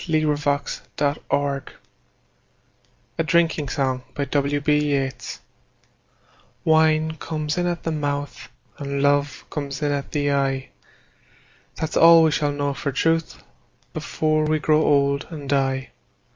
William Butler Yeats A Drinking Song WINE comes in at the mouth And love comes in at the eye; That's all we shall know for truth Before we grow old and die.